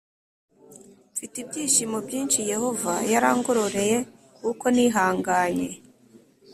Mfite ibyishimo byinshi Yehova yarangororeye kuko nihanganye